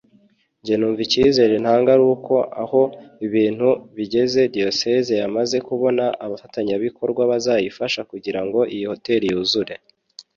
Jye numva icyizere ntanga ari uko aho ibintu bigeze Diyoseze yamaze kubona abafatanyabikorwa bazayifasha kugirango iriya Hotel yuzure